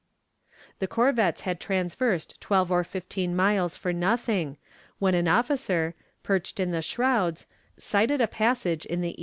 The corvettes had traversed twelve or fifteen miles for nothing, when an officer, perched in the shrouds, sighted a passage in the E.